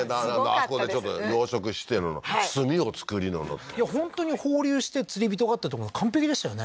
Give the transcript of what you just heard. あそこでちょっと養殖してるの炭を作りののっていや本当に放流して釣り人がってとこも完璧でしたよね